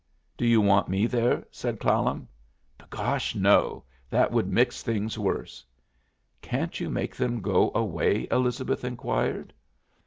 "Do you want me there?" said Clallam. "Begosh, no! That would mix things worse." "Can't you make them go away?" Elizabeth inquired.